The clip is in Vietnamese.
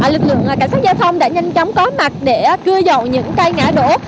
lực lượng cảnh sát giao thông đã nhanh chóng có mặt để cưa dậu những cây ngã đổ